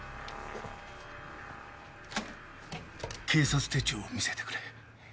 警察手帳を見せてくれ。